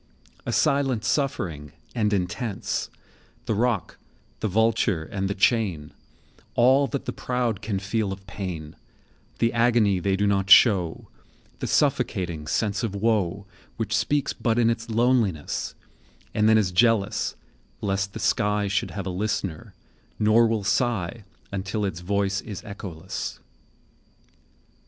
A silent suffering, and intense; The rock, the vulture, and the chain, All that the proud can feel of pain, The agony they do not show, The suffocating sense of woe,10 Which speaks but in its loneliness, And then is jealous lest the sky Should have a listener, nor will sigh Until its voice is echoless.